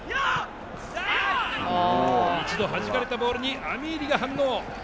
一度はじかれたボールにアミーリが反応。